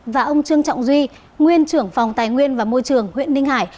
và ông trương trọng duy nguyên trưởng phòng tài nguyên và môi trường huyện ninh hải